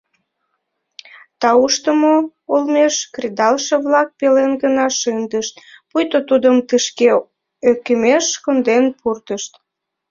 Тауштымо олмеш кредалше-влак пелен гына шындышт, пуйто тудым тышке ӧкымеш конден пуртышт.